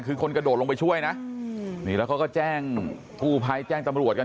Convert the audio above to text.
คือคนกระโดดลงไปช่วยนะนี่แล้วเขาก็แจ้งกู้ภัยแจ้งตำรวจกัน